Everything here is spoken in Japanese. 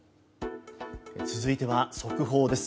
続いては速報です。